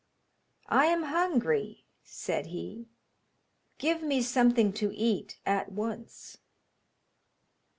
'I am hungry,' said he, 'give me something to eat at once.'